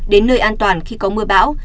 đến nơi an toàn khi có mưa bão